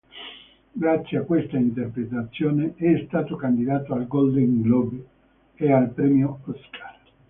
Grazie a questa interpretazione è stato candidato al Golden Globe e al Premio Oscar.